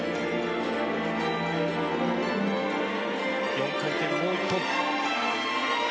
４回転、もう１本。